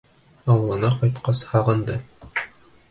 Ауылына ҡайтҡас һағынды.